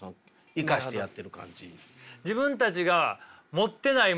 生かしてやってる感じ。